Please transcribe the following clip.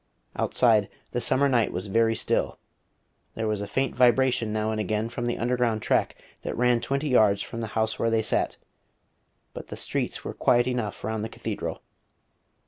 Outside, the summer night was very still. There was a faint vibration now and again from the underground track that ran twenty yards from the house where they sat; but the streets were quiet enough round the Cathedral.